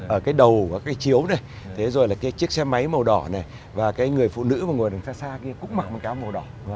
ở cái đầu có cái chiếu này thế rồi là cái chiếc xe máy màu đỏ này và cái người phụ nữ mà ngồi đằng xa xa kia cũng mặc một cái cam màu đỏ